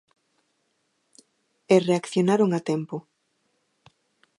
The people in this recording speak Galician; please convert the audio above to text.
E reaccionaron a tempo.